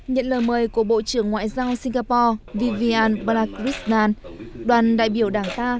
nhận lời mời của bộ trưởng ngoại giao singapore vivian balakrishnan đoàn đại biểu đảng ta